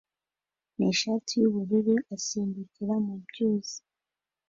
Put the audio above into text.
nishati yubururu asimbukira mu byuzi